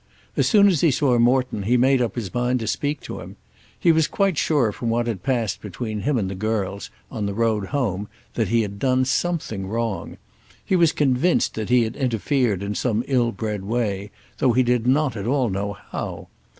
As soon as he saw Morton he made up his mind to speak to him. He was quite sure from what had passed between him and the girls, on the road home, that he had done something wrong. He was convinced that he had interfered in some ill bred way, though he did not at all know how.